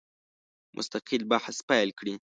مستقل بحث پیل کړي.